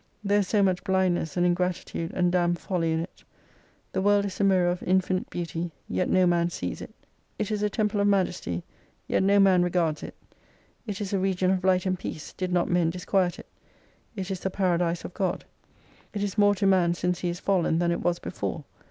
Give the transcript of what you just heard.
There is so much blindness, and ingratitude, and damned folly in it. The world is a mirror of infinite beauty, yet no man sees it. It is a Temple of Majesty, yet no man re gards it. It is a region of Light and Peace, did not men disquiet it. It is the Paradise of God. It is more to man since he is fallen, than it was before.